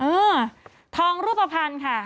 เออทองรูปภัณฑ์ค่ะ